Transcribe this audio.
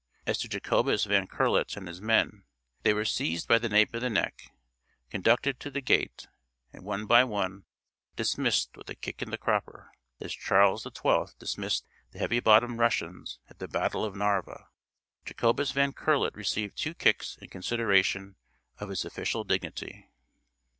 As to Jacobus Van Curlet and his men, they were seized by the nape of the neck, conducted to the gate, and one by one dismissed with a kick in the crupper, as Charles XII dismissed the heavy bottomed Russians at the battle of Narva; Jacobus Van Curlet receiving two kicks in consideration of his official dignity.